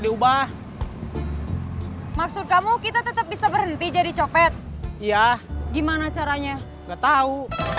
diubah maksud kamu kita tetap bisa berhenti jadi copet ya gimana caranya enggak tahu